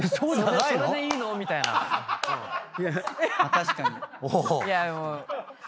確かに。